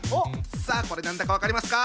さあこれ何だか分かりますか？